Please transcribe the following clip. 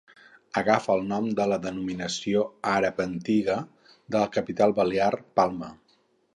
Agafa el nom de la denominació àrab antiga de la capital balear, Palma.